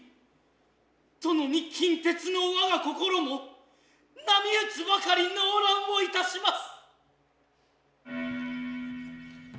殿に金鉄の我が心も波打つばかり悩乱をいたします。